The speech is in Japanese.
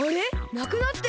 なくなってる！